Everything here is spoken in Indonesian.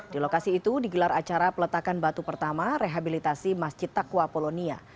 di lokasi itu digelar acara peletakan batu pertama rehabilitasi masjid takwa polonia